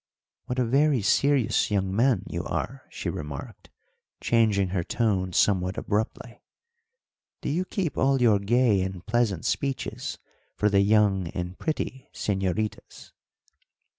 "What a very serious young man you are!" she remarked, changing her tone somewhat abruptly. "Do you keep all your gay and pleasant speeches for the young and pretty señoritas?"